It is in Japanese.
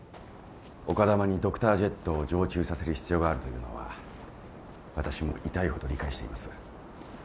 丘珠にドクタージェットを常駐させる必要があるというのは私も痛いほど理解しています。